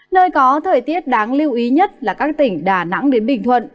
nơi có thời tiết đáng lưu ý nhất là các tỉnh đà nẵng đến bình thuận